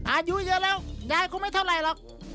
อายุเยอะแล้วยายก็ไม่เท่าไหร่หรอก